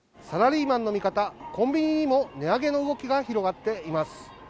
サラリーマンの味方、コンビニにも値上げの動きが広がっています。